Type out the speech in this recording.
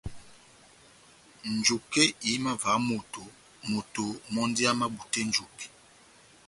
Njuke ihimavaha moto, moto mɔ́ndi amabutɛ njuke.